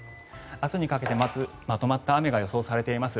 明日にかけてまずまとまった雨が予想されています。